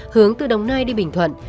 hướng từ đồng nai đi bình thuận